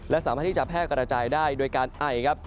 และสามารถที่จะแพร่กระจายได้โดยการไอครับ